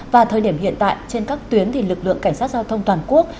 và thời điểm hiện tại trên các tuyến thì lực lượng cảnh sát giao thông toàn quốc